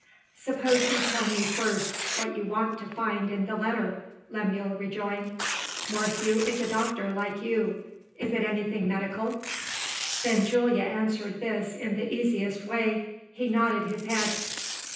"Suppose you tell me first, what you want to find in the letter," Lemuel rejoined. "Morphew is a doctor like you. Is it anything medical?" Benjulia answered this in the easiest way he nodded his head.